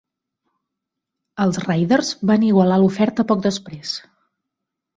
Els Raiders van igualar l'oferta poc després.